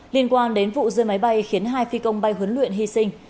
liên quan đến vụ rơi máy bay khiến hai phi công bay huấn luyện hy sinh